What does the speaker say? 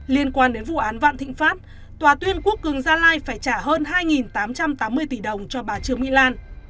liên quan đến vụ án vạn thịnh pháp tòa tuyên quốc cường gia lai phải trả hơn hai tám trăm tám mươi tỷ đồng cho bà trương mỹ lan